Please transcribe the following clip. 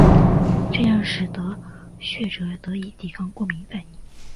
这样使得受血者得以抵抗过敏反应。